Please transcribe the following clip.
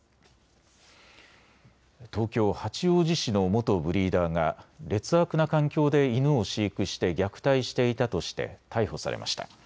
東京八王子市の元ブリーダーが劣悪な環境で犬を飼育して虐待していたとして逮捕されました。